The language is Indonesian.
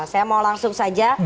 saya mau langsung saja